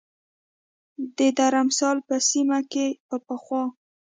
د درمسال په سیمه کې به پخوا